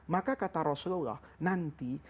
maka kata rasulullah nanti